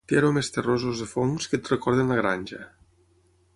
Té aromes terrosos de fongs que et recorden la granja.